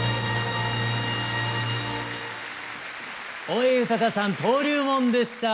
大江裕さん「登竜門」でした。